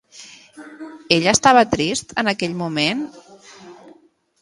Ell estava trist en aquell moment?